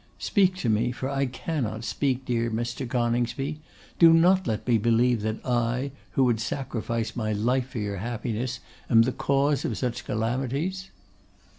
Speak to me, for I cannot speak, dear Mr. Coningsby; do not let me believe that I, who would sacrifice my life for your happiness, am the cause of such calamities!